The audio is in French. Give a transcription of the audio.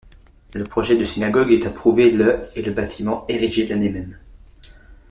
Le projet de synagogue est approuvé le et le bâtiment érigé l’année même.